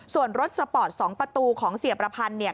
ส่วนรถสปอร์ต๒ประตูของเสียประพันธ์เนี่ย